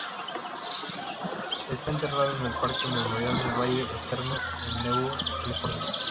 Está enterrado en el Parque Memorial del Valle Eterno en Newhall, California.